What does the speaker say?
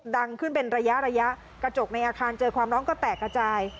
ดังขึ้นเป็นระยะระยะกระจกในอาคารเจอความร้องก็แตกกระจาย